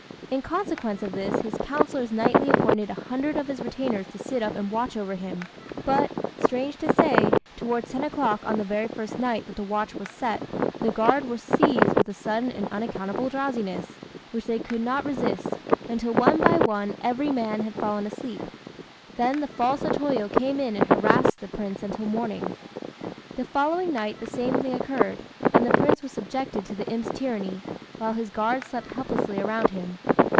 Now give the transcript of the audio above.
In consequence of this, his councillors nightly appointed a hundred of his retainers to sit up and watch over him; but, strange to say, towards ten o'clock on the very first night that the watch was set, the guard were seized with a sudden and unaccountable drowsiness, which they could not resist, until one by one every man had fallen asleep. Then the false O Toyo came in and harassed the Prince until morning. The following night the same thing occurred, and the Prince was subjected to the imp's tyranny, while his guards slept helplessly around him.